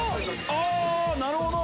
ああなるほど！